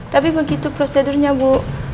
tapi begitu prosedurnya bu